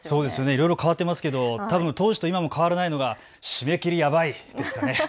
いろいろ変わっていますけれども当時も今も変わらないのが締め切りやばいですかね。